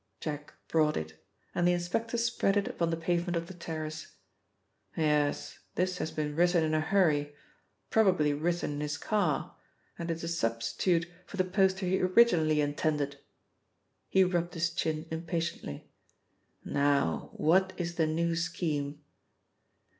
Jack brought it and the inspector spread it upon the pavement of the terrace. "Yes, this has been written in a hurry; probably written in his car, and it is a substitute for the poster he originally intended." He rubbed his chin impatiently. "Now, what is the new scheme?"